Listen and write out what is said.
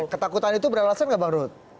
ketakutan itu beralasan nggak bang ruth